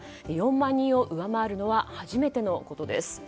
４万人を上回るのは初めてのことです。